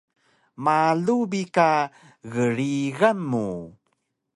Malu bi ka grigan mu